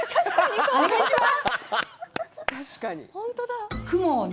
お願いします。